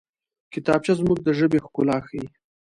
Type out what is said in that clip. کتابچه زموږ د ژبې ښکلا ښيي